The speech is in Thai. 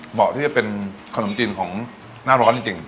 เหมาะที่จะเป็นขนมจีนของหน้าร้อนจริง